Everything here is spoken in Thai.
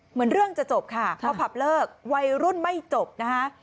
เหมือนเรื่องจะจบค่ะพอผับเลิกวัยรุ่นไม่จบนะคะ